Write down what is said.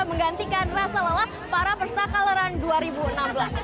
menggantikan rasa lelah para persa color run dua ribu enam belas